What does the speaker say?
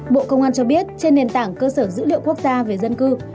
bộ công an cho biết trên nền tảng cơ sở dữ liệu quốc gia về dân cư